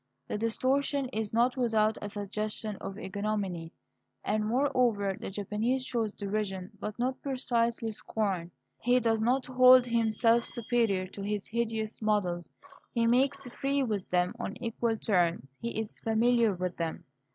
The distortion is not without a suggestion of ignominy. And, moreover, the Japanese shows derision, but not precisely scorn. He does not hold himself superior to his hideous models. He makes free with them on equal terms. He is familiar with them.